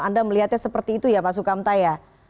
anda melihatnya seperti itu ya pak sukamta ya